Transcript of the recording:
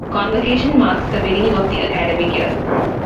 Convocation marks the beginning of the academic year.